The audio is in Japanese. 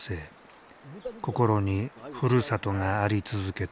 心にふるさとがあり続けた。